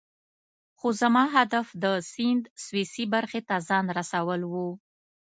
خو زما هدف د سیند سویسی برخې ته ځان رسول وو.